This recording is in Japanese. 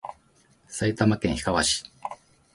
埼玉県桶川市